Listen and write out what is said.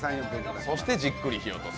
そしてじっくり火を通す。